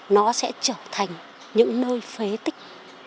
nó sẽ trở thành những nơi phế tích